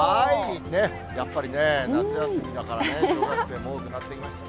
やっぱりね、夏休みだからね、小学生も多くなってきました。